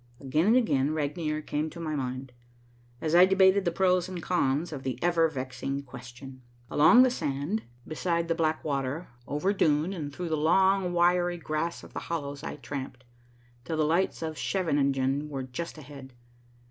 Again and again Regnier came to my mind, as I debated the pros and cons of the ever vexing question. Along the sand, beside the black water, over dune, and through the long wiry grass of the hollows I tramped, till the lights of Scheveningen were just ahead.